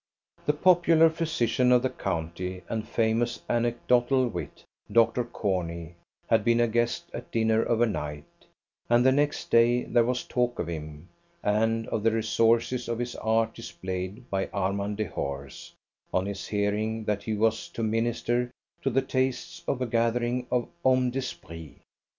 The popular physician of the county and famous anecdotal wit, Dr. Corney, had been a guest at dinner overnight, and the next day there was talk of him, and of the resources of his art displayed by Armand Dehors on his hearing that he was to minister to the tastes of a gathering of hommes d'esprit.